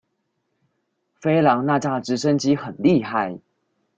飛狼那架直升機很厲害